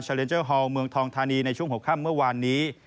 เลนเจอร์ฮอลเมืองทองทานีในช่วงหัวค่ำเมื่อวานนี้